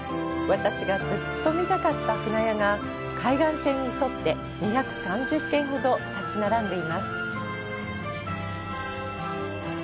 私がずっと見たかった舟屋が海岸線に沿って２３０軒ほど建ち並んでいます。